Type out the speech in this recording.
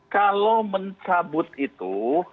kalau mencabut itu